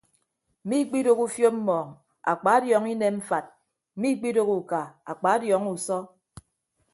Miikpidooho ufiop mmọọñ akpadiọọñọ inem mfat miikpidooho uka akpadiọọñọ usọ.